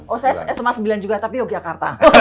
oh saya sma sembilan juga tapi yogyakarta